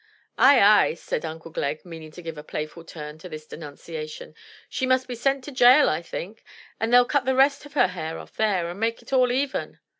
"Ay, ay," said Uncle Glegg, meaning to give a playful turn to this denunciation, "she must be sent to jail I think, and they'll cut the rest of her hair off there, and make it all even."